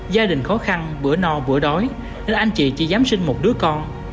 gia đình khó khăn bữa no bữa đói nên anh chị chỉ dám sinh một đứa con